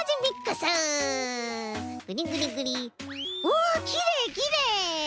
おきれいきれい！